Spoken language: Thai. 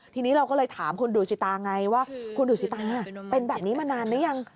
ทีนี้เราก็เลยถามคุณดูสิตาไงว่าคุณดูสิตาเป็นแบบนี้มานานหรือยัง